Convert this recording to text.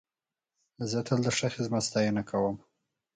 زه تل د ښه خدمت ستاینه کوم.